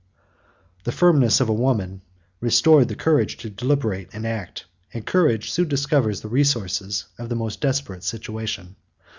The firmness of a woman restored the courage to deliberate and act, and courage soon discovers the resources of the most desperate situation.